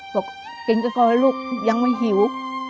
บอกกินข้าก็ให้ลูกยังไม่หิว